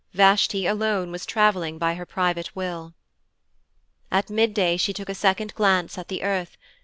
Vashti alone was travelling by her private will. At midday she took a second glance at the earth.